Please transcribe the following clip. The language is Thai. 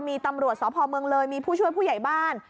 มีตำรวจสพเมืองเลยมีผู้ช่วยผู้ใหญ่บ้าน